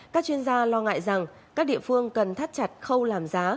các chuyên gia lo ngại rằng các địa phương cần thắt chặt khâu làm giá